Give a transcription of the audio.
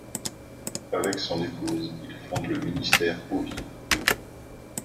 Avec son épouse, il fonde le Ministère Eaux Vives.